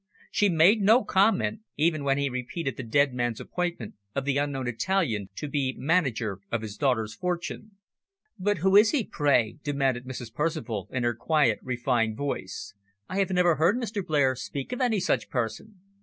She made no comment, even when he repeated the dead man's appointment of the unknown Italian to be manager of his daughter's fortune. "But who is he, pray?" demanded Mrs. Percival, in her quiet, refined voice. "I have never heard Mr. Blair speak of any such person."